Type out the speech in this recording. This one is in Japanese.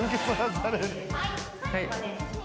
はい。